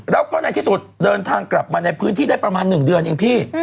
แล้วก็ในที่สุดเดินทางกลับมาในพื้นที่ได้ประมาณ๑เดือนเองพี่